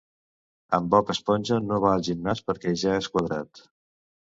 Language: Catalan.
En Bob Esponja no va al gimnàs perquè ja és quadrat.